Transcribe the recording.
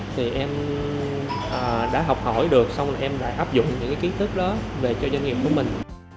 thì em đã học hỏi được xong rồi em đã áp dụng những cái kỹ thức đó về cho doanh nghiệp của mình